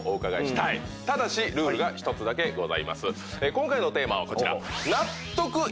今回のテーマはこちら。